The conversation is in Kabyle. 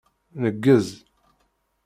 Neggez.